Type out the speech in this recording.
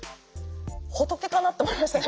仏かなと思いました。